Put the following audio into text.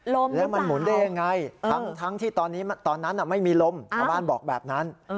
ลมหรือเปล่าแต่งที่ตอนนั้นไม่มีลมบ้านบอกแบบนั้น